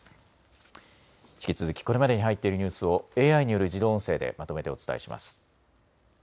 引き続きこれまでに入っているニュースをＡＩによる自動音声でまとめてお伝えします。